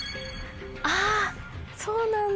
あそうなんだ。